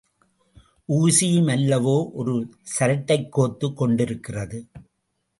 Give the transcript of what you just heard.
ஊசியும் அல்லவோ ஒரு சரட்டைக் கோத்துக் கொண்டிருக்கிறது.